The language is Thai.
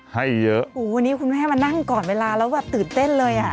ให้เยอะนี่คุณไม่ให้มานั่งก่อนเวลาแล้วตื่นเต้นเลยอ่ะ